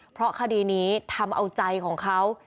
เพราะคดีนี้ทำเอาใจของเขา